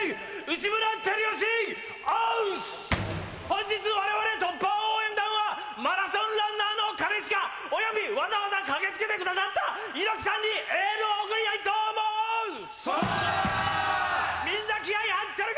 本日我々突破応援団はマラソンランナーの兼近およびわざわざ駆け付けてくださった猪木さんにエールを送りたいと思う！